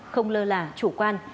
không lơ là chủ quan